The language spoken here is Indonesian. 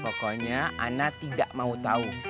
pokoknya ana tidak mau tahu